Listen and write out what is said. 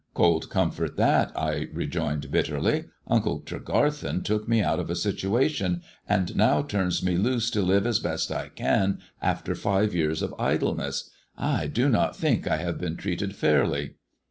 "Cold comfort that," I rejoined bitterly. "Uncle 202 THE DEAD MAN's DIAMONDS Tregarthen took me out of a situation, and now turns me loose to live as best I can after five years of idleness. I do not think I have been treated fairly."